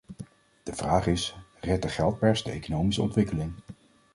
De vraag is: redt de geldpers de economische ontwikkeling?